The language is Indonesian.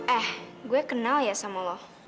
eh gue kenal ya sama lo